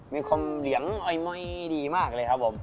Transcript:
มีความเหลียงอ้อยม่อยดีมากเลยครับผม